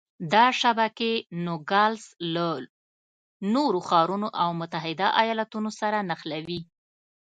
دا شبکې نوګالس له نورو ښارونو او متحده ایالتونو سره نښلوي.